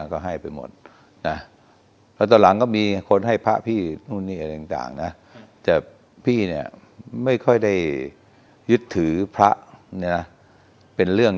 ต่อให้ไปหมดว่าตอนหลังก็มีคนให้พระพี่มูลนี้อันต่างนะจะพี่เนี่ยไม่ค่อยได้ยึดถือพระเนี่ยเป็น